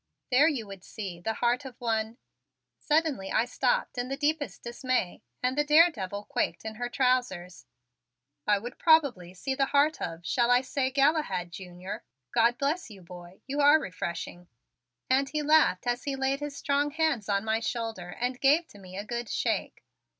"There you would see the heart of one " Suddenly I stopped in the deepest dismay and the daredevil quaked in her trousers. "I would probably see the heart of shall I say, Galahad Junior? God bless you, boy, you are refreshing." And he laughed as he laid his strong hands on my shoulder and gave to me a good shake.